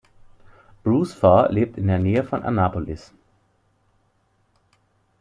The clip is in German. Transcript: Bruce Farr lebt in der Nähe von Annapolis.